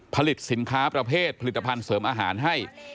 ผลิตสินค้าประเภทผลิตภัณฑ์เสริมอาหารให้